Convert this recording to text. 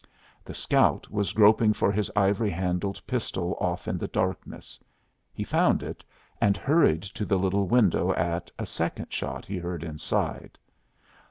The scout was groping for his ivory handled pistol off in the darkness. He found it, and hurried to the little window at a second shot he heard inside.